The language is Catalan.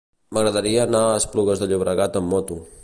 M'agradaria anar a Esplugues de Llobregat amb moto.